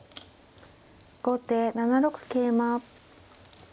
後手７六桂馬。